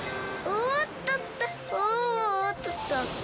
おっとっと。